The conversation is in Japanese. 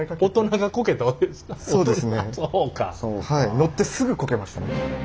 乗ってすぐこけました。